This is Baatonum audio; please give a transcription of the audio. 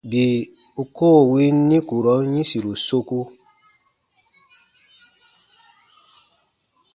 Bii u koo win nikurɔn yĩsiru soku.